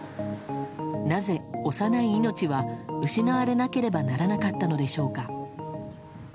なぜ、幼い命は失われなければならなかったのでしょうか。